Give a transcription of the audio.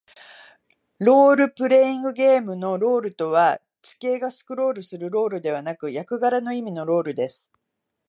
ロールプレイングゲームのロールとは、地形がスクロールするロールではなく、役柄の意味のロールです。